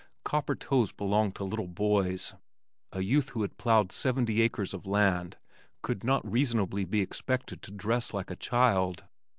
Copper toes belonged to little boys. A youth who had plowed seventy acres of land could not reasonably be expected to dress like a child.